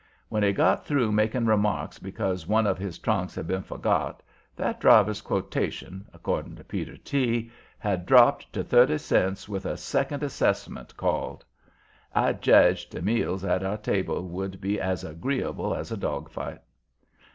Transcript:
When he got through making remarks because one of his trunks had been forgot, that driver's quotation, according to Peter T., had "dropped to thirty cents, with a second assessment called." I jedged the meals at our table would be as agreeable as a dog fight.